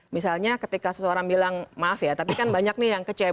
misalnya ketika seseorang bilang maaf ya tapi kan banyak nih yang kecewa